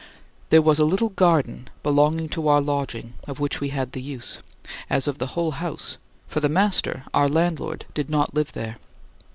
There was a little garden belonging to our lodging, of which we had the use as of the whole house for the master, our landlord, did not live there.